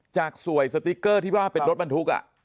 จากสวยสติกเกอร์ที่บอกว่าเป็นรถมันทุกข์